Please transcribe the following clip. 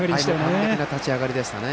完璧な立ち上がりでしたね。